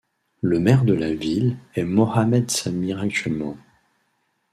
Le maire de la ville est Mohammed Samir actuellement.